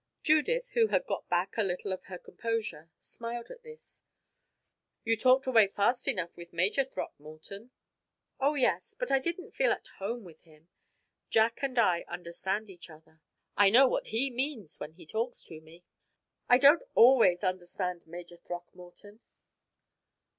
Judith, who had got back a little of her composure, smiled at this. "You talked away fast enough with Major Throckmorton." "Oh, yes, but I didn't feel at home with him. Jack and I understand each other. I know what he means when he talks to me. I don't always understand Major Throckmorton.